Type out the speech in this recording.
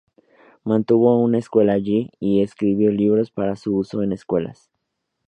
Mantuvo una escuela allí, y escribió libros para su uso en escuelas.